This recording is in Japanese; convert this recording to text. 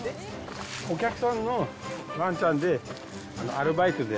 お客さんのワンちゃんで、アルバイトで。